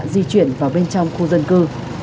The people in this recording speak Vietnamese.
di chuyển vào bên trong khu dân cư